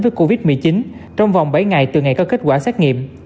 với covid một mươi chín trong vòng bảy ngày từ ngày có kết quả xét nghiệm